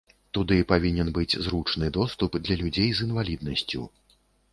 Туды павінен быць зручны доступ для людзей з інваліднасцю.